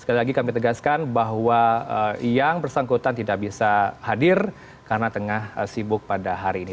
sekali lagi kami tegaskan bahwa yang bersangkutan tidak bisa hadir karena tengah sibuk pada hari ini